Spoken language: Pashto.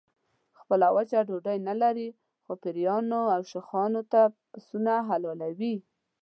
خپله وچه ډوډۍ نه لري خو پیرانو او شیخانو ته پسونه حلالوي.